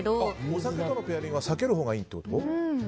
お酒とのペアリングはさけるほうがいいってこと？